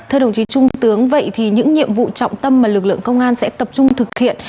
thưa đồng chí trung tướng vậy thì những nhiệm vụ trọng tâm mà lực lượng công an sẽ tập trung thực hiện